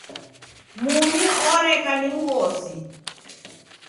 Mumi oreka ni mghosi.